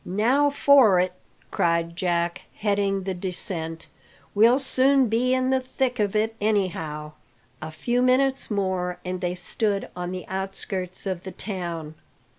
"Now for it!" cried Jack, heading the descent. "We'll soon be in the thick of it, anyhow." A few minutes more and they stood on the outskirts of the town.